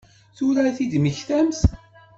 Tura i t-id-temmektamt?